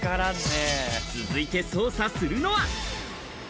続いて捜査するのは。